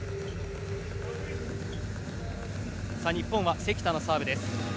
日本は関田のサーブです。